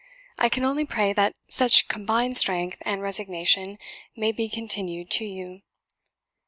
I can only pray that such combined strength and resignation may be continued to you.